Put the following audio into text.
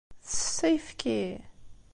Tsess ayefki?